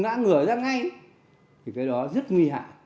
nã ngửa ra ngay thì cái đó rất nguy hạn